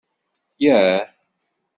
Yah!